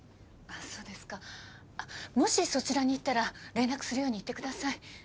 そうですかもしそちらに行ったら連絡するように言ってください